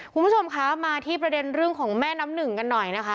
คุณผู้ชมคะมาที่ประเด็นเรื่องของแม่น้ำหนึ่งกันหน่อยนะคะ